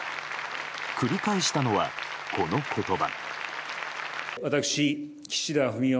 繰り返したのは、この言葉。